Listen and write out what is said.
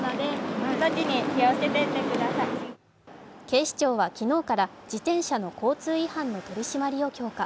警視庁は昨日から自転車の交通違反の取り締まりを強化。